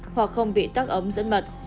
hoặc không bị tắc ấm dẫn mật